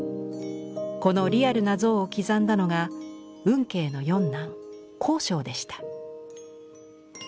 このリアルな像を刻んだのが運慶の四男康勝でした。